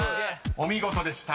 ［お見事でした］